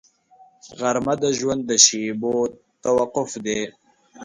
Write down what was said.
غرمه د ژوند د شېبو توقف دی